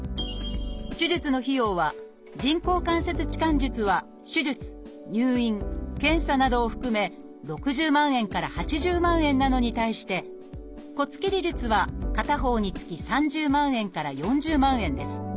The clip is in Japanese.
手術の費用は人工関節置換術は手術入院検査などを含め６０万円から８０万円なのに対して骨切り術は片方につき３０万円から４０万円です。